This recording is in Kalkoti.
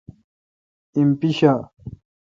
ایم پیݭا ۔